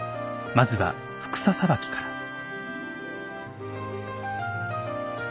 まずは服紗さばきから。